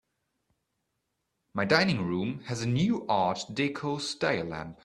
My dining room has a new art deco style lamp.